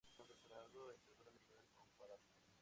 Tiene un doctorado en literatura medieval comparada.